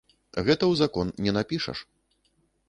Гэта ў закон не напішаш.